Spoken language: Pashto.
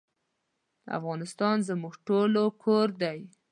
افغانستان زموږ ټولو کور دی